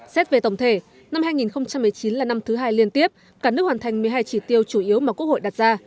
xét về tổng thể năm hai nghìn một mươi chín là năm thứ hai liên tiếp cả nước hoàn thành một mươi hai chỉ tiêu chủ yếu mà quốc hội đặt ra